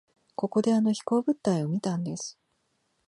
ここであの飛行物体を見たんです。